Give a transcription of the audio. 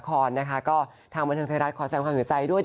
ก็ตอนนี้กำลังยุ่งเลือกเรื่องหมอเก๋งวายโย